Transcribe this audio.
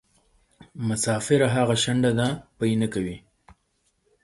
مسافره هغه شڼډه ده پۍ نکوي.